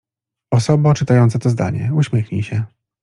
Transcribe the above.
Osobo czytająca to zdanie, uśmiechnij się.